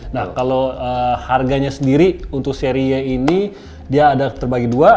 nah kalau harganya sendiri untuk serie ini dia ada terbagi dua